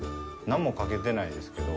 何もかけてないですけど。